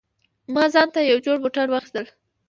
ما ځانته یو جوړ بوټان واخیستل